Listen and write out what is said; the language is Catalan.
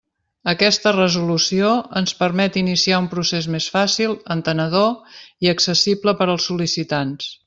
Aquesta Resolució, ens permet iniciar un procés més fàcil, entenedor i accessible per als sol·licitants.